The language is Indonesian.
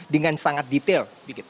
dengan sangat detail